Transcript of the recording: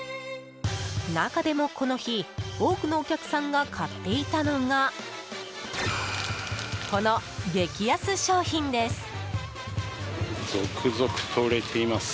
中でも、この日多くのお客さんが買っていたのがこの激安商品です。